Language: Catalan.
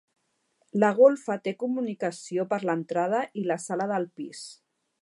La golfa té comunicació per l'entrada i la sala del pis.